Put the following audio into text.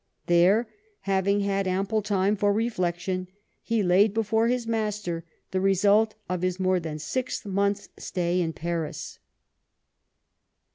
There, having had ample time for reflection, he laid before his master the result of his more than six months' stay in Paris.